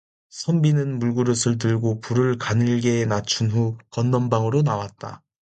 선비는 물그릇을 들고 불을 가늘게 낮춘 후에 건넌방으로 나왔다.